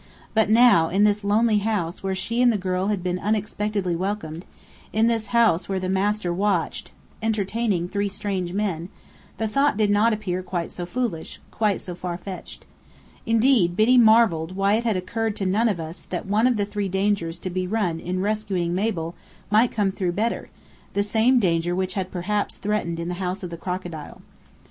But now, in this lonely house where she and the girl had been unexpectedly welcomed, in this house where the master watched, entertaining three strange men, the thought did not appear quite so foolish, quite so far fetched. Indeed, Biddy marvelled why it had occurred to none of us that one of the dangers to be run in rescuing Mabel might come through Bedr, the same danger which had perhaps threatened in the House of the Crocodile.